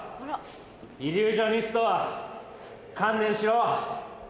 イリュージョニスト観念しろ。